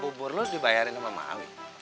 bubur lo dibayarin sama maui